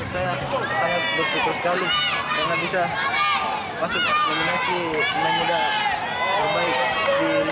saya sangat bersyukur sekali karena bisa masuk nominasi pemain muda terbaik di liga satu tahun ini